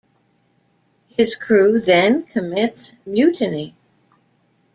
His crew then commits mutiny.